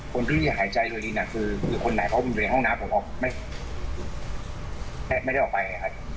คนที่หายใจด้วยดีคือคนไหนเพราะผมอยู่ในห้องน้ำผมไม่ได้ออกไป